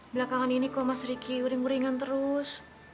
belakangan ini kok mas riki uring uringan terus